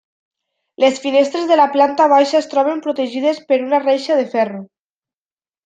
Les finestres de la planta baixa es troben protegides per una reixa de ferro.